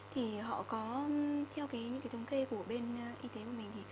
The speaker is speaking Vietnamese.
thì họ có theo những cái thống kê của bên y tế của mình